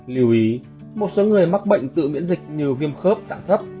lưu ý một số người mắc bệnh tự miễn dịch như viêm khớp dạng thấp